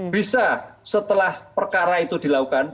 bisa setelah perkara itu dilakukan